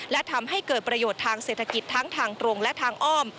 และทำให้เกิดประโยชน์ทางเศรษฐกิจทั้งทางตรงและทางอ้อม